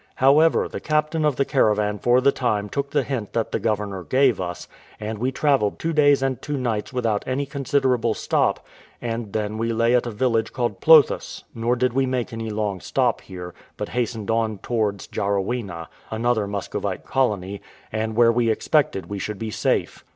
However, the captain of the caravan for the time took the hint that the governor gave us, and we travelled two days and two nights without any considerable stop, and then we lay at a village called Plothus: nor did we make any long stop here, but hastened on towards Jarawena, another Muscovite colony, and where we expected we should be safe.